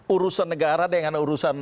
urusan negara dengan urusan